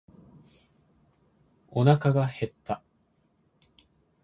おなかが減った。